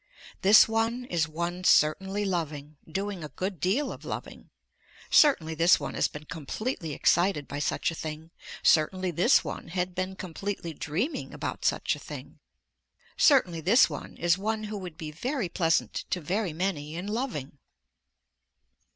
This one is one certainly loving, doing a good deal of loving, certainly this one has been completely excited by such a thing, certainly this one had been completely dreaming about such a thing. Certainly this one is one who would be very pleasant to very many in loving.